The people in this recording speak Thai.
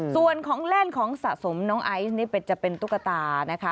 ส่วนของเล่นของสะสมน้องไอซ์นี่จะเป็นตุ๊กตานะคะ